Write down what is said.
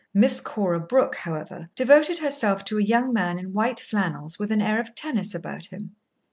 Miss Cora Brooke, however, devoted herself to a young man in white flannels with an air of tennis about him.